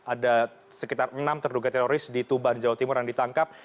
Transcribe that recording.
ada sekitar enam terduga teroris di tuban jawa timur yang ditangkap